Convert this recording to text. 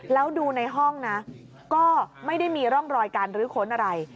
แล้วดูในห้องนะก็ไม่ได้มีร่องรอยการรื้อค้นอะไร